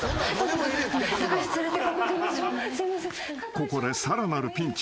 ［ここでさらなるピンチ］